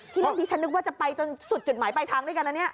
ที่เราก็คิดว่าจะไปจนสุดจุดหมายไปทางด้วยกันนี่